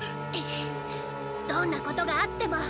どんなことがあっても。